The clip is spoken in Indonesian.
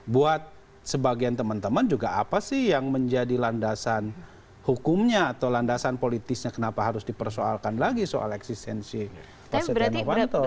buat sebagian teman teman juga apa sih yang menjadi landasan hukumnya atau landasan politisnya kenapa harus dipersoalkan lagi soal eksistensi pak setia novanto